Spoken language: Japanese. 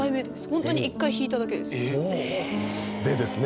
ホントに１回弾いただけですでですね